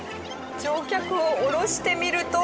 乗客を降ろしてみると。